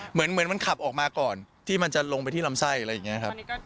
เหมือนมันขับออกมาก่อนที่มันจะลงไปที่ลำไส้อะไรอย่างนี้ครับ